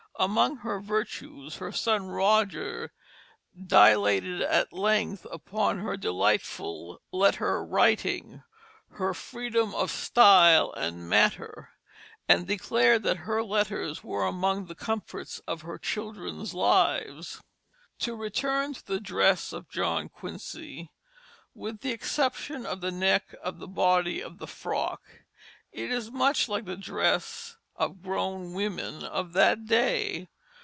Among her virtues her son Roger dilated at length upon her delightful letter writing, her "freedom of style and matter," and declared that her letters were among the comforts of her children's lives. [Illustration: Jane Bonner, Eight Years Old, 1700] To return to the dress of John Quincy: with the exception of the neck of the body of the frock it is much like the dress of grown women of that day.